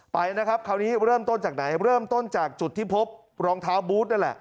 ไปนะครับคราวนี้เริ่มต้นจากไหนเริ่มต้นจากจุดที่พบรองเท้าบูธนั่นแหละ